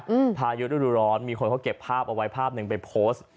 พายุฤดูร้อนมีคนเขาเก็บภาพเอาไว้ภาพหนึ่งไปโพสต์